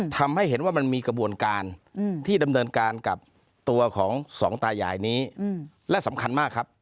ทำให้เห็นว่ามันมีกระบวนการที่ดำเนินการกับตัวของสองตายายนี้และสำคัญมากครับ